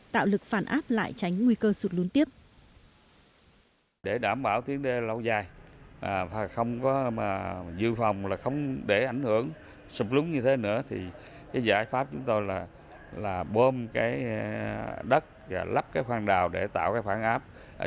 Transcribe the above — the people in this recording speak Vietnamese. tạo lực phản áp lại tránh nguy cơ sụt lún tiếp